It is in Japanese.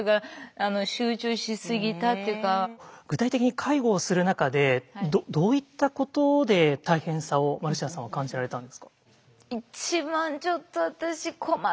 具体的に介護をする中でどういったことで大変さをマルシアさんは感じられたんですか。